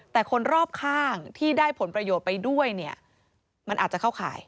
แต่คนรอบข้างที่ได้ผลประโยชน์ไปด้วยเนี่ยมันอาจจะเข้าข่าย